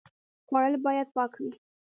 خوړل باید پاک وي